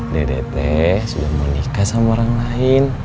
dede teh sudah mau nikah sama orang lain